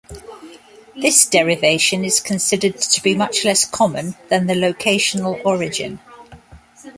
This derivation is considered to be much less common than the locational origin.